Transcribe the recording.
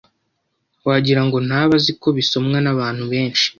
wagirango ntaba aziko bisomwa n’abantu benshi